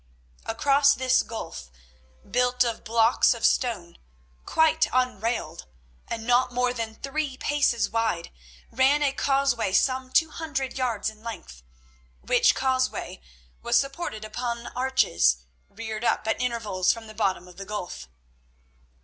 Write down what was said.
Across this gulf, built of blocks of stone, quite unrailed, and not more than three paces wide, ran a causeway some two hundred yards in length, which causeway was supported upon arches reared up at intervals from the bottom of the gulf.